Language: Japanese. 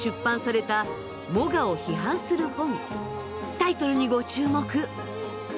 タイトルにご注目。